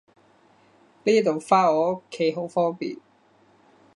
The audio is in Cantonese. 呢度返我屋企好方便